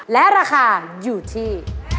และราคาอยู่ที่